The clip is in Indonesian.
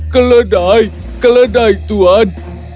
keledai keledai tuan